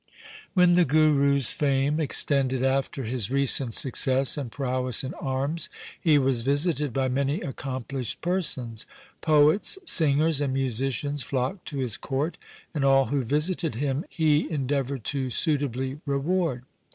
When the Guru's fame extended after his recent success and prowess in arms, he was visited by many accomplished persons. Poets, singers, and musicians flocked to his court, and all who visited him he endeavoured to suitably reward.